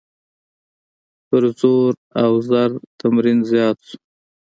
پر زور او زر تمرکز زیات شو.